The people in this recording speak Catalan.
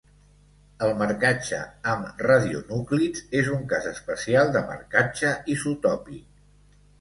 El marcatge amb radionúclids és un cas especial de marcatge isotòpic.